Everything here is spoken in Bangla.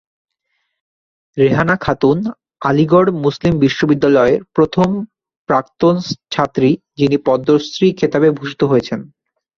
রেহানা খাতুন আলীগড় মুসলিম বিশ্ববিদ্যালয়ের প্রথম প্রাক্তন ছাত্রী যিনি পদ্মশ্রী খেতাবে ভূষিত হয়েছেন।